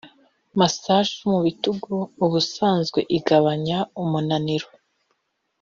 Massage yo mu bitugu ubusanzwe igabanya umunaniro